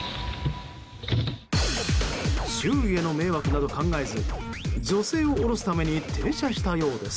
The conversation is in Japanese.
周囲への迷惑など考えず女性を降ろすために停車したようです。